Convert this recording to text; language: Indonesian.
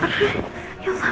aduh ya allah